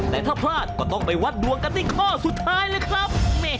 แต่ถ้าพลาดก็ต้องไปวัดดวงกันที่ข้อสุดท้ายเลยครับ